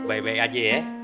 baik baik aja ya